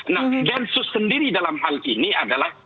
nah densus sendiri dalam hal ini adalah